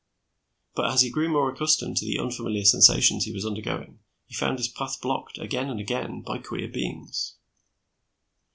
But as he grew more accustomed to the unfamiliar sensations he was undergoing, he found his path blocked again and again by queer beings.